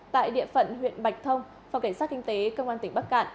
tại địa phận huyện bạch thông phòng cảnh sát kinh tế công an tỉnh bắc cạn